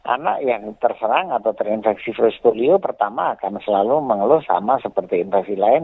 anak yang terserang atau terinfeksi virus polio pertama akan selalu mengeluh sama seperti infeksi lain